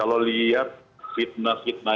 kalau lihat fitnah fitnah